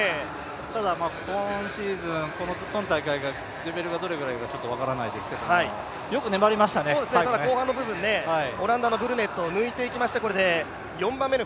ただ今シーズン、今大会がレベルがどれぐらいか分からないですけど後半の部分オランダのブルネットを抜いていきまして、このタイム。